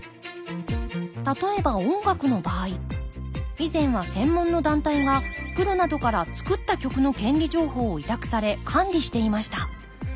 例えば音楽の場合以前は専門の団体がプロなどから作った曲の権利情報を委託され管理していました。